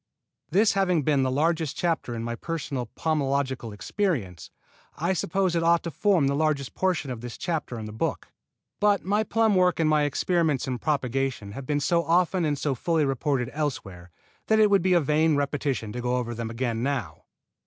This having been the largest chapter in my personal pomological experience, I suppose it ought to form the largest portion of this chapter in the book; but my plum work and my experiments in propagation have been so often and so fully reported elsewhere that it would be a vain repetition to go over them again now.